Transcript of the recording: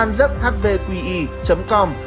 an rắc hvqi com